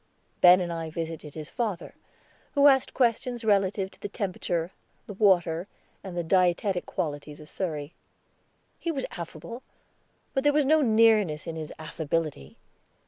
Ben and I visited his father, who asked questions relative to the temperature, the water, and the dietetic qualities of Surrey. He was affable, but there was no nearness in his affability.